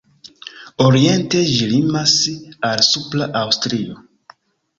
Oriente ĝi limas al Supra Aŭstrio.